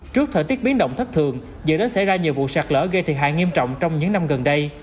trước thời tiết biến động thấp thường giờ đến xảy ra nhiều vụ sạc lỡ gây thiệt hại nghiêm trọng trong những năm gần đây